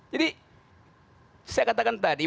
jadi saya katakan tadi